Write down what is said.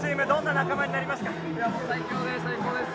最高です！